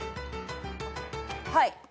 はい。